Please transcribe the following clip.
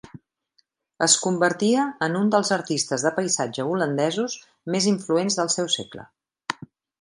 Es convertia en un dels artistes de paisatge holandesos més influents del seu segle.